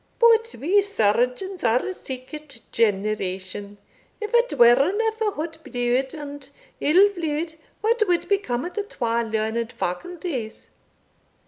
But we surgeons are a secret generation If it werena for hot blood and ill blood, what wad become of the twa learned faculties?"